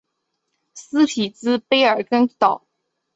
斯匹兹卑尔根岛。